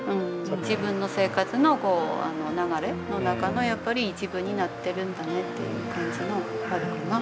自分の生活のこう流れの中のやっぱり一部になってるんだねっていう感じのあるかな。